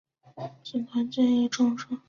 司机兼助理亦重伤。